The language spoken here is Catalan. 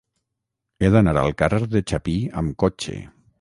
He d'anar al carrer de Chapí amb cotxe.